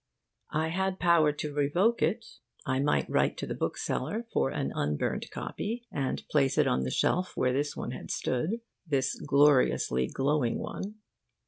I had power to revoke it. I might write to my bookseller for an unburnt copy, and place it on the shelf where this one had stood this gloriously glowing one.